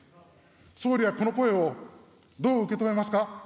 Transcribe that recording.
総理はこの声をどう受け止めますか。